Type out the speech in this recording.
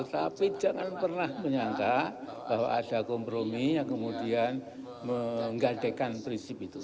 tapi jangan pernah menyangka bahwa ada kompromi yang kemudian menggadekan prinsip itu